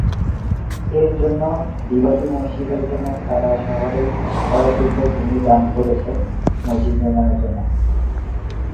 এর জন্য বিবাদী মসজিদের জন্য তারা শহরেই কয়েক একর ভূমি দান করেছে মসজিদ নির্মাণের জন্য।